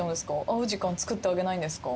会う時間つくってあげないんですか？